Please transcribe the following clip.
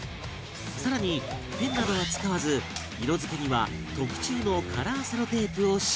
更にペンなどは使わず色付けには特注のカラーセロテープを使用